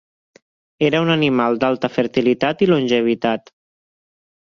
Era un animal d'alta fertilitat i longevitat.